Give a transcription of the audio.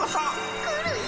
来るよ！